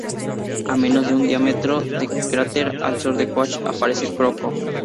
A menos de un diámetro del cráter al sur de Koch aparece Crocco.